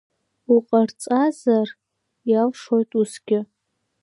Уҟарҵазар, иалшоит усгьы…